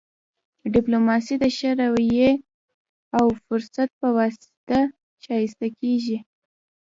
ډیپلوماسي د ښه رويې او فصاحت په واسطه ښایسته کیږي